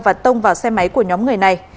và tông vào xe máy của nhóm người này